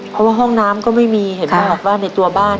เพราะว่าห้องน้ำก็ไม่มีเห็นป่ะว่าในตัวบ้าน